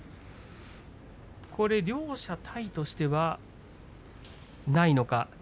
両者、体としてはないのか。